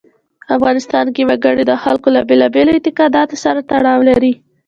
افغانستان کې وګړي د خلکو له بېلابېلو اعتقاداتو سره تړاو لري.